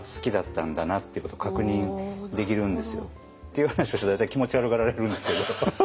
いう話をしたら大体気持ち悪がられるんですけど。